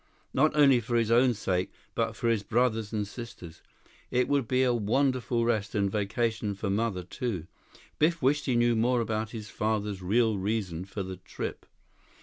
Not only for his own sake, but for his brother's and sister's. It would be a wonderful rest and vacation for Mother, too. Biff wished he knew more about his father's real reason for the trip.